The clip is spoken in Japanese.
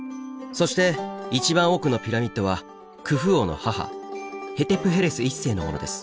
そして一番奥のピラミッドはクフ王の母ヘテプヘレス１世のものです。